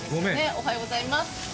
おはようございます。